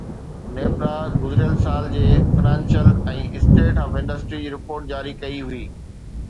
نيپرا گذريل سال جي فنانشل ۽ اسٽيٽ آف انڊسٽري جي رپورٽ جاري ڪئي هئي